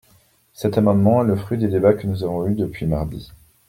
Cet amendement est le fruit des débats que nous avons eus depuis mardi.